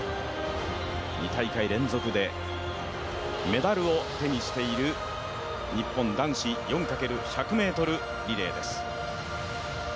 ２大会連続でメダルを手にしている日本男子４×１００ｍリレーです。